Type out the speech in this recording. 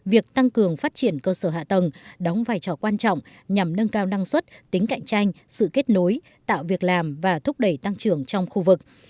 việc tăng cường phát triển cơ sở hạ tầng đóng vai trò quan trọng nhằm nâng cao năng suất tính cạnh tranh sự kết nối tạo việc làm và thúc đẩy tăng trưởng trong khu vực